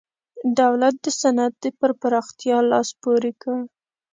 دولت د صنعت پر پراختیا لاس پورې کړ.